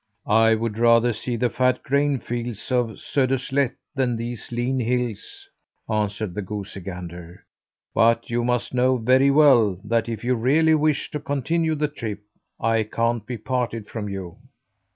"I would rather see the fat grain fields of Söderslätt than these lean hills," answered the goosey gander. "But you must know very well that if you really wish to continue the trip, I can't be parted from you."